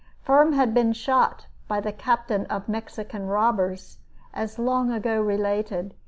Firm had been shot by the captain of Mexican robbers, as long ago related.